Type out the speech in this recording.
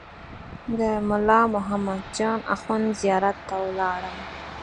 د ملا محمد جان اخوند زیارت ته ولاړم.